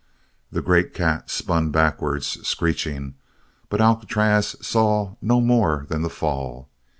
The great cat spun backwards, screeching, but Alcatraz saw no more than the fall.